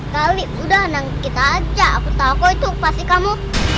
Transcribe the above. kali udah anak kita aja aku tahu kok itu pasti kamu